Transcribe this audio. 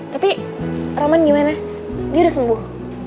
tapi roman gimana dia udah sembuh